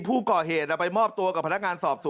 ผู้ก่อเหตุเอาไปมอบตัวกับพนักงานสอบสวน